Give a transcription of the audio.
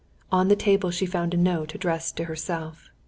On the table she found a note addressed to herself.